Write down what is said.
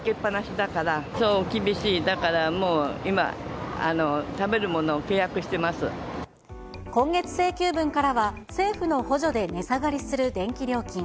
だからもう今、今月請求分からは政府の補助で値下がりする電気料金。